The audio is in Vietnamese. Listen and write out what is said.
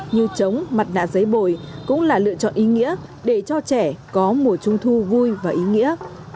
như trống mặt nạ giấy bồi cũng là lựa chọn ý nghĩa để cho trẻ có mùa trung thu vui và ý nghĩa